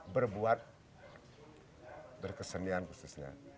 berbuat berkesenian khususnya